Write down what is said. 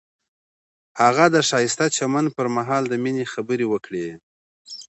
هغه د ښایسته چمن پر مهال د مینې خبرې وکړې.